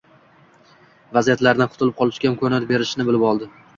vaziyatlardan qutulib qolishga imkon berishini bilib oladi.